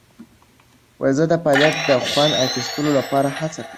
زه د فعالیت د خوند اخیستلو لپاره هڅه کوم.